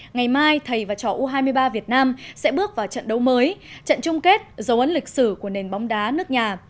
ngày mai thầy và trò u hai mươi ba việt nam sẽ bước vào trận đấu mới trận chung kết dấu ấn lịch sử của nền bóng đá nước nhà